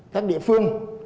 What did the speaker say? các địa phương